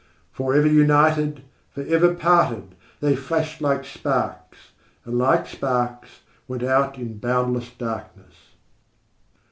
Forever united, forever parted, they flashed like sparks, and like sparks went out in boundless darkness.